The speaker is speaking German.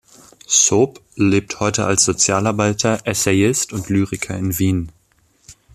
Saupe lebt heute als Sozialarbeiter, Essayist und Lyriker in Wien.